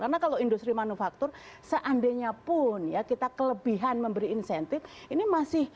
karena kalau industri manufaktur seandainya pun ya kita kelebihan memberi insentif ini masih